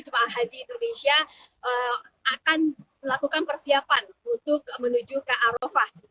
jemaah haji indonesia akan melakukan persiapan untuk menuju ke arofah